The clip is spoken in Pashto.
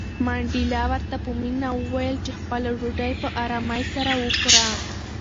منډېلا ورته په مینه وویل چې خپله ډوډۍ په آرامۍ سره وخوره.